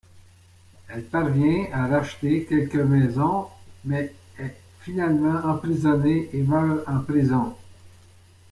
Elle parvient à racheter quelques maisons mais est finalement emprisonnée et meurt en prison.